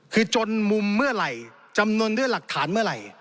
คือจนมุมเมื่อไหร่จำนวนด้วยหลักฐานเมื่อไหร่